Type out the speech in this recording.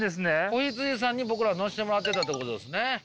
子羊さんに僕ら乗せてもらってたってことですね。